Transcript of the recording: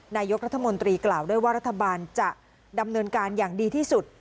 นายกรัฐมนตรีกล่าวด้วยว่ารัฐบาลจะดำเนินการอย่างดีที่สุด